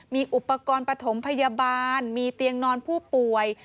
มีอุปกรณ์ปฐมพยาบาลมีเตียงนอนผู้ป่วย